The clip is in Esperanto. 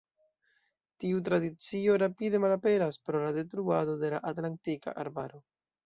Tiu tradicio rapide malaperas pro la detruado de la atlantika arbaro.